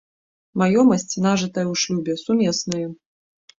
Маёмасць, нажытая ў шлюбе, сумесная.